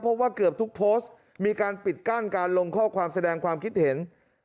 เพราะว่าเกือบทุกโพสต์มีการปิดกั้นการลงข้อความแสดงความคิดเห็น